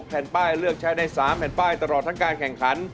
แผ่นป้ายเลือกใช้ได้๓แผ่นป้ายตลอดทั้งการแข่งขัน